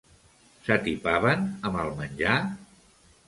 S'atipaven amb el menjar?